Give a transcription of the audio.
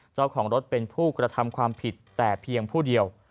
เจ้าของรถเป็นผู้กระทำความผิดแต่เพียงผู้เดียว